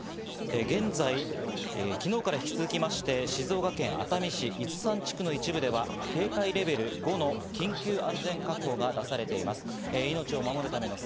現在、昨日から引き続きまして、静岡県熱海市の一部では、警戒レベル５の警戒安全確保が出されています。